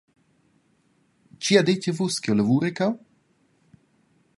Tgi ha detg a vus che jeu lavuri cheu?